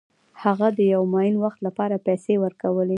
هغه د یو معین وخت لپاره پیسې ورکوي